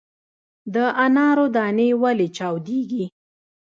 د انارو دانې ولې چاودیږي؟